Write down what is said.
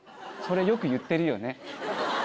それよく言ってるよね。